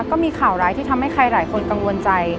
ก็มีข่าวร้ายที่ทำให้ใครหลายคนกังวลใจ